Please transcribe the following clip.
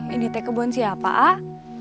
ini teh kebun siapa ah